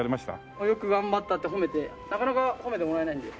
よく頑張ったって褒めてなかなか褒めてもらえないので。